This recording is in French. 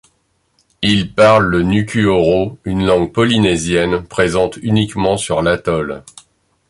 Ils parlent le nukuoro, une langue polynésienne présente uniquement sur l'atoll.